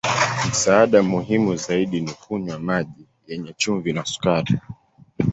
Msaada muhimu zaidi ni kunywa maji yenye chumvi na sukari.